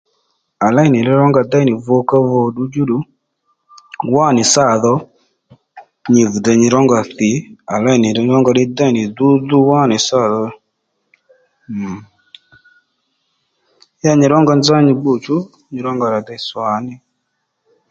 À léy nì li rónga déy nì vukávu ddudjú ddù wá nì sâ dho nyi vi dey nyi rónga thǐ à léy nì li rónga ddí déy nì dhúdhú wá nì sâ dho mm ya nyi rónga nzá nyi gbû chú nyi rónga rà dey swàní